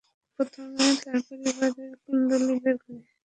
প্রথমে তার পরিবারের কুন্ডলী বের করি।